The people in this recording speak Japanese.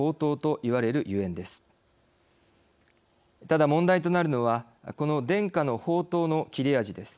ただ問題となるのはこの伝家の宝刀の切れ味です。